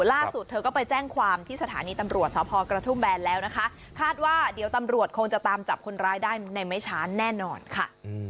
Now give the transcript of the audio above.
ล่าสุดเธอก็ไปแจ้งความที่สถานีตำรวจเฉพาะกระทุ่มแบนแล้วนะคะ